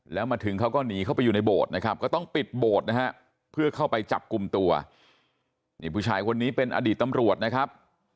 แล้วมาถึงเขาก็หนีเข้าไปอยู่ในโบสถ์นะครับก็ต้องปิดโบสถ์นะฮะเพื่อเข้าไปจับกลุ่มตัวนี่ผู้ชายคนนี้เป็นอดีตตำรวจนะครับ